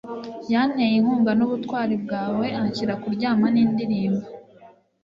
yanteye inkunga nubutwari bwawe, anshyira kuryama nindirimbo .